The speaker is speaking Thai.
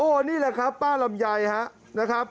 โอ้นี่แหละครับป้าลำใยนะครับ